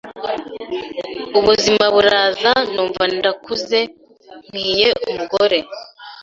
ubuzima buraza numva ndakuze nkwiye umugore